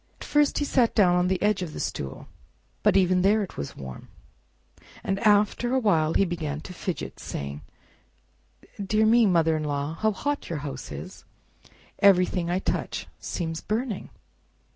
At first he sat down on the edge of the stool, but even there it was warm, and after a while he began to fidget, saying, "Dear me, mother in law, how hot your house is! Everything I touch seems burning!"